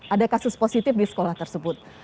ada kasus positif di sekolah tersebut